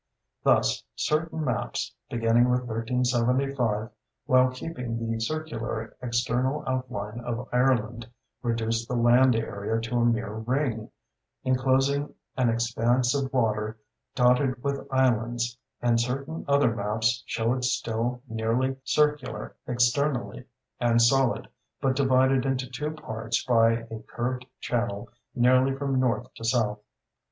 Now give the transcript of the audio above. Thus certain maps, beginning with 1375, while keeping the circular external outline of Ireland, reduce the land area to a mere ring, enclosing an expanse of water dotted with islands; and certain other maps show it still nearly circular externally, and solid, but divided into two parts by a curved channel nearly from north to south.